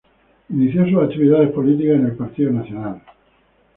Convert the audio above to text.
Inicio sus actividades políticas en el Partido Nacional.